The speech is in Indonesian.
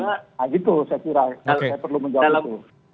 nah gitu saya kira saya perlu menjawab itu